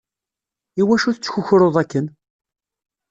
Iwacu tettkukruḍ akken?